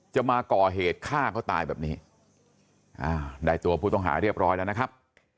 จะมาก่อเหตุฆ่าเขาตายแบบนี้ได้ตัวผู้ต้องหาเรียบร้อยแล้วนะครับ